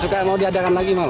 suka mau diadakan lagi malah